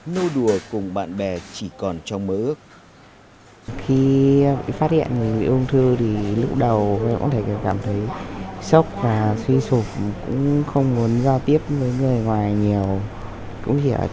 nô đùa cùng bạn bè chỉ còn trong mơ ước